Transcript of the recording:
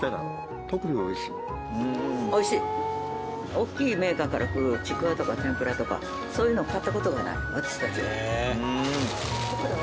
大きいメーカーから来るちくわとか天ぷらとかそういうのを買った事がない私たちは。